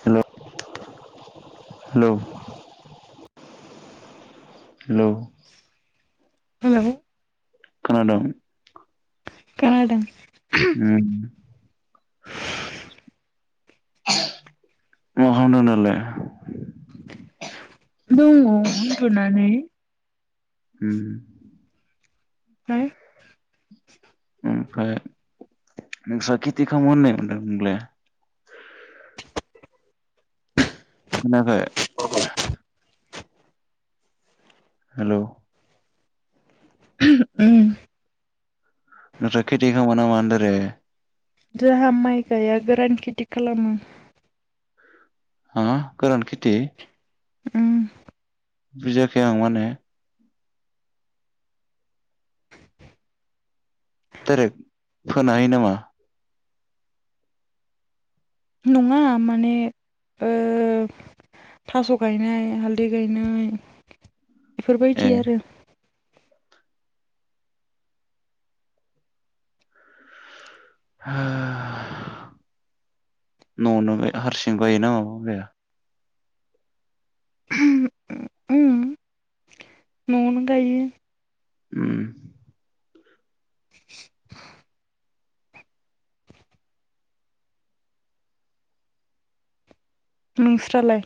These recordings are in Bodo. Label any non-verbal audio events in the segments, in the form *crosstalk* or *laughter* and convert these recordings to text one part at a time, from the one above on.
हेल' हेल'। हेल' हेलौ खोनादों। खोनादों। उम मा खालामदों दालाय? दङ उनदुनानै । ओम । फाय ओमफ्राय नोंस्रा खेथि खालामो होननाय मोनदों नोंलाय खोनायाखै? हेल' । उम नोंस्रा खेथि खालामो नामा होनदो रे? जोंहा माइ गाया गोरान खेथि खालामो। हा गोरान खिथि ओम । बुजियाखै आं माने । डाइरेक्ट फोनो हायो नामा? नङा माने ओ थास' गायनाय हालदै गायनाय । ए बेफोरबायदि आरो । *inaudible* न'आव हारसिं गायो ना माबा गाया? उम नआवनो गायो। उम। *inaudible* नोंस्रालाय?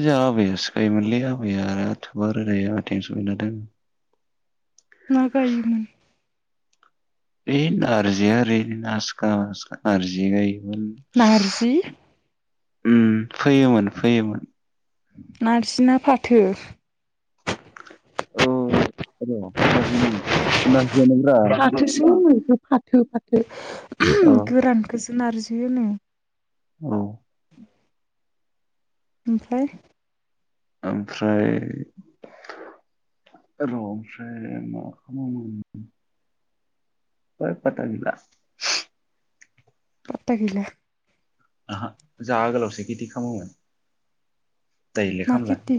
जोंहा आबैयासो गायोमोनलै । आबैया आबैयाथ गैला दा बारा थेनसन गैला दायो। मा गायमोन? ओइ नारजि आरि बिदिनो आजखा आजखा नराजि गायो *inaudible* नारजि? उम फोयोमोन फोयोमोन। नारजि ना फाथो। औ र नारजि नङा नारजिया नोब्रा। फाथो फाथो। गोरानखौ सो नारजि होनो। औ। ओमफ्राय ओमफ्राय र' ओमफ्राय मा खालामो ओमफ्राय फादथा गैला। फादथा गैला। जाहा आगोलावसो खिटि खालामोमोन। दायोलाय मा खालामला। खेथि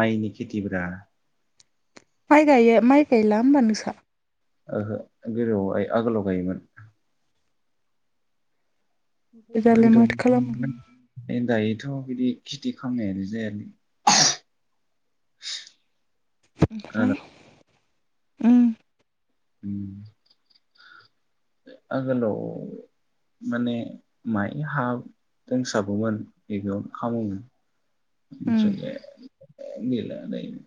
माइनि खेथिब्रा। माइ गायो माइ गायला होमबा नोंसा? ओहो गोदोआव आगोलाव गायोमोन। दालाय गोदो माथो खालामो माने दायो। दायोथ बिदि खेथि खालामनायानो जायालै। ओमफ्राय। खोनादों उम। आगोलाव माने माइ हा दोंसाबोमोन बेयावनो खामोमोन। उम ओमफ्रायलाय। गैला दायो।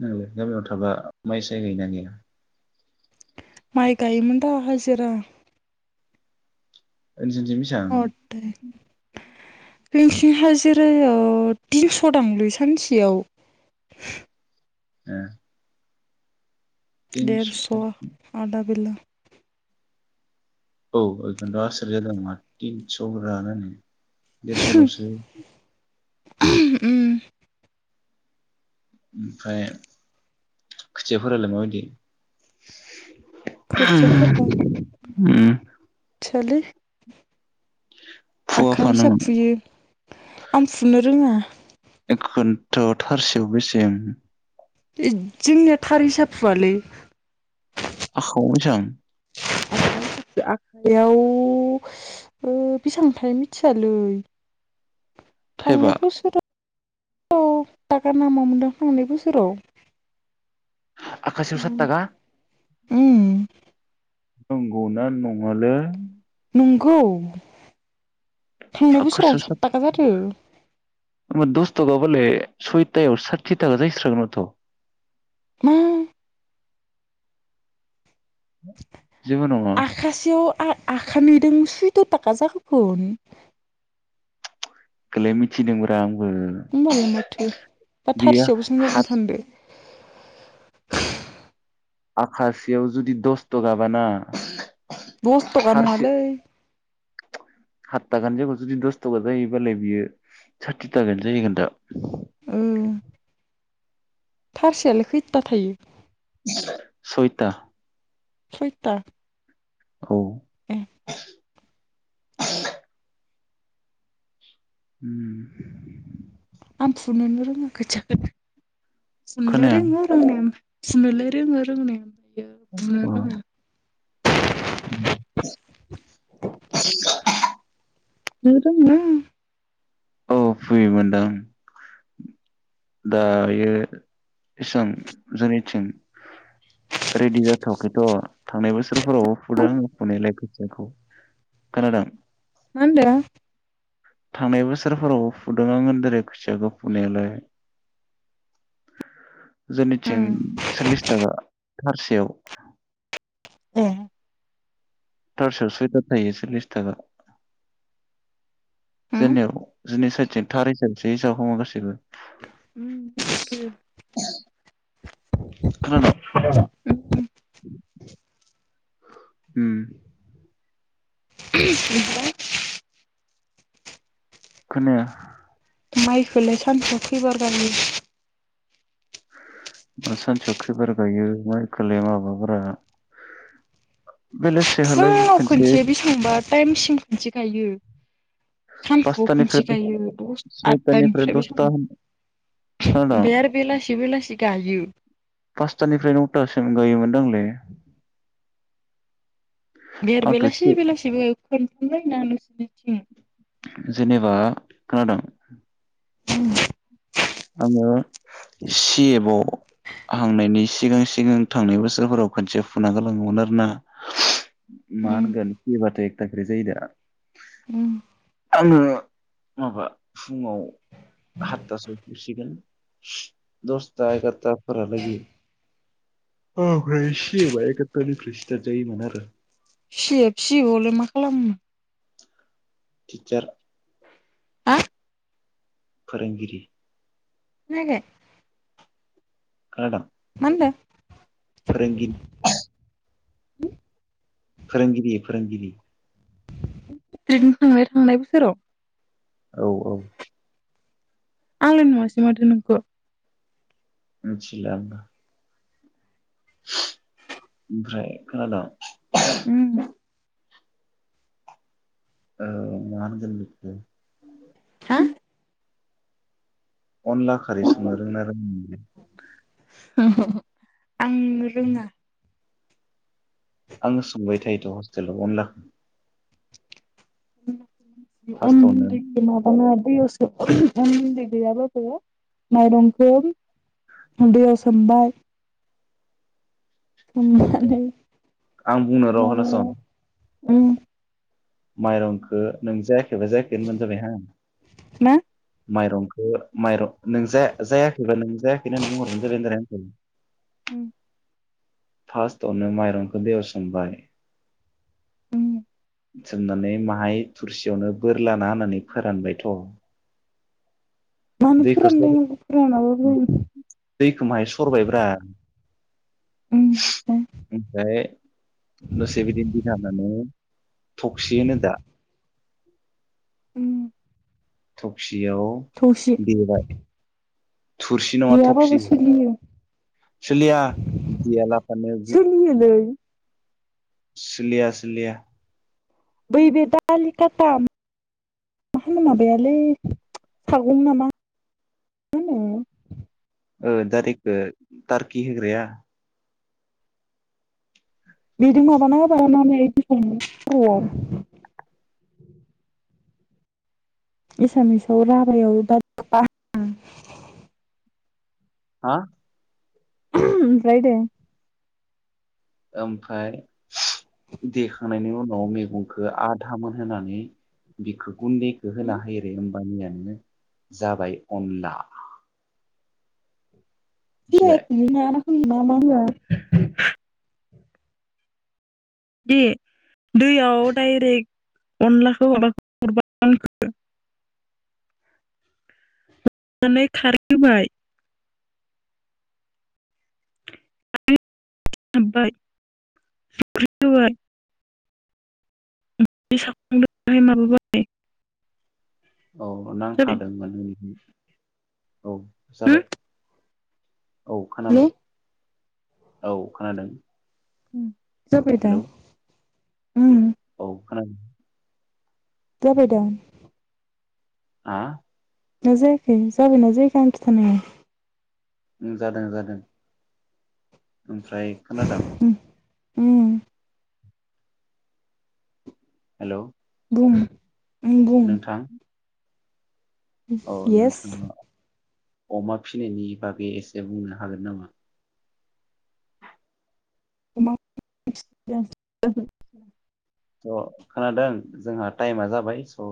नोंलाय गामियाव थाबा माइ साय गायो ना गाया। माइ गायोमोन दा हाजिरा। नोंसिनिथिं बेसां। हथे जोंनिथिं हाजिरायाव तिनस दांलै सानसेयाव। ए। देेरस आदा बेला। औ बेखौनोथ आसरिद जादों आं मा तिनस ब्रा होननानै। देरसलसो। उम। ओमफ्राय खोथियाफोरालाय माबायदि? खोथियाफोरा उम। थियालै। फुवा आखा फानोमोन हिसाब फुयो आं फुनो रोङा। एखन्थ थारसेयाव बेसे जोंनिया थार हिसाब फुवालै। *unintelligible* आखायाव बेसांथाय मिथियालै। थांनाय थाइबा बोसोराव। थाखा नामा मोनदां थांनाय बोसोराव। आखासेयाव साद थाखा। उम नंगौना नङालै? नोंगौ। थांनाय बोसोरावनो सात थाखा जादो। होमबा दसथाखा बालाय सयथायाव साथि थाखा जाहै स्रागोन माथो। मा? जेबो नङा आखासेयाव आ आखा नैदों। *unintelligible* एखोलाय मिथिदोंंब्रा आं होमबालाय माथो बा बियो थारसेयाव बेसां जागोन हाथ सानदो? आखासेयाव जुदि दसथखा बाना दसथखा नङालै। हात थाखानि जायगायाव जुदि दस थखा जायोबालाय बियो साथि थाखानो जाहैगोन दा। उम थारसेयालाय खैथा थायो? दाइनथा सयथा औ ए उम आं फुनोनो रोङा खोथिखोनो फुनोलाय खोनाया रोङो रोंनाया ओमफाय फुनोलै रोङो रोंनाया बुनो रोङा ओम नों रोङो? अ फुयोमोनदां दायो इसां जोंनिथिं रेडि जाथवाखैथ थांनाय बोसोरफोरावबो फुदों फुनायालाय खोथियाखौ खोनादों? मा होनदों? थांनाय बोसोरफोरावबो फुदों आं होनदों रे खोथियाखौ फुनायालाय जोंनिथिं उम सल्लिस थाखा थारसेयाव। ए थारसेयावबो आटा थायो सलिस थाखा उम जोंनियाव जोंनि सैथिं थार हिसाब हमो गासैबो उम खोनादों उम खोनाया माइखौलाय सानसेआव खैबार गायो सानसेयाव खैबार गायो माइ खोलाय माबाफोरा बेलेसि फुङाव खोन्थिया बेसेबांबा टाइमसिम खोनसे गायो सानफुआव खनसे पासतानिफ्राय गायो दस सयतानिफ्राय आदथानिफ्राय बे सम दसथा खोनादों ओमफ्राय आरो बेलासि बेलासि गायो पासतानिफ्राय नौथासिम गायोमोनदांलै बेर आंथ' बेलासि एसे बेलासिबो खोनथामलायना नोंसोरनिथिं जेनेबा खोनादों ओम आङो सि एफव हांनायनि सिगां सिगां थांनाय बोसोरफोराव खनसे फुना गलाङोमोन आरोना मा उम होनगोन पबाथ' एकथाखे जायो दा उम आङो माबा फुङाव हतथासो गुसिगोन दसथा एगारथा फोरालागि अ फ्रस बायगथ फ्रेस जायो मान आरो सिए सिएप आवलाय मा खालामनो टिचार हा फोरोंगिरि खोनायाखै खोनादों मा होनदों फोरोंगिरि फोरोंगिरि फोरोंगिरि दिनो थांनाय थांनाय बोसोराव औ औ। आंलाय नुवासै माथो नोंखौ। मिथिलाबा ओमफ्राय खोनादों? उम। ओ मा होनगोन? हा। अनला खारै संनो रोंना रों अ। आं रोङा। आङो सोंबाय थायोथ' हस्टेलाव अनलाखौ। अन फार्स्टआवनो गुन्दैखौ लाबाला बैयाव अन उन्दै गैयाब्लाबो माइरंखौ दैयाव सोमबाय। आं बुंनो *unintelligible* र' माबा ओम। माइरंखो नों जाय जायाखै होनबानो जाबाय हा। ना माइरंखो माइरं नों जाया जायाखैबा नों जायाखै होननानै बुंहरबानो जाबाय होनदो रा आंखो। उम। फार्स्टआवनो माइरंखो दैयाव सोमबाय। उम। सोमनानै माहाय थुरसियावनो बोरलाना होनानै फोरानबायथ'। मानो दैखोसर फोरानलायनांगौ फोरानाबो उम दैखो माहाय सरबायब्रा। ओमफ्राय ओमफ्राय दसे बिदि बि थानानै। थक्सि होनो दा उम् थफसि। आव दिहोबाय। थुरसि नङा गैयाबाबो थखसि सोलियो सोलिया *unintelligible* सोलियोलै सोलिया सोलिया। बै बे दालि खाटा मा *unintelligible* माबायालै सागं ना मा होनो? ओ दारिखो तारकि होग्राया? बेदों माबाना होबा *unintelligible* एसामिसाव राभायाव दा *unintelligible* हा? अमप्राय दे। ओमफाय देखांनायनि उनाव मेगंखो आधामोन होनानै बिखो गुन्दैखो होना होयो रे होमबानिया बिदिनो जाबाय अनला। मिथिबाय *unintelligible* मा मा होआ? दे दैयाव डाइरेक्ट अनलाखौ माबा *unintelligible* नानै खारै होबाय। *unintelligible* *unintelligible* माबाबाय। औ जाबाय नांथादोंमोन *unintelligible* औ हो जाबाय। औ खोनाबाय। हेलौ औ खोनादों। उम जाबाय दा? हेलौ उम औ खोनादों। जाबाय दा? हा दा जायाखै जाबायना जायाखै आं खिथानायाव। उम जादों जादों। ओमफ्राय खोनादों? उम उम हेलौ बुं उम बुं नोंथां औ येस नोंथाङा अमा फिसिनायनि बागै एसे बुंनो हागोन नामा? अमा *unintelligible* स' खोनादों जोंहा टाइमा जाबाय स'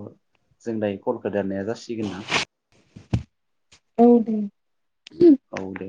जों दायो कलखो दाननाया जासिगोन ना? औ दे औ दे।